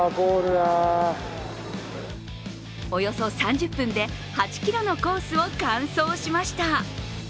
およそ３０分で８ｋｍのコースを完走しました。